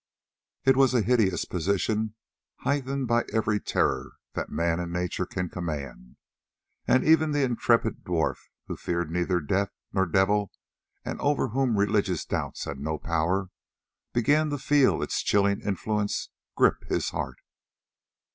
It was a hideous position, heightened by every terror that man and nature can command, and even the intrepid dwarf, who feared neither death nor devil, and over whom religious doubts had no power, began to feel its chilling influence grip his heart.